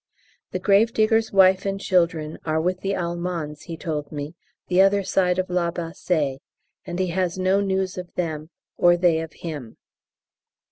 The gravedigger's wife and children are with the Allemands, he told me, the other side of La Bassée, and he has no news of them or they of him.